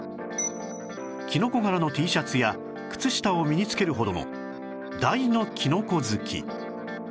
キノコ柄の Ｔ シャツや靴下を身につけるほどの大のキノコ好き